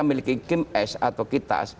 memiliki kim s atau kitas